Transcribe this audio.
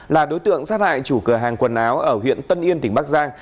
là đối tượng sát hại chủ cửa hàng quần áo ở huyện tân yên tỉnh bắc giang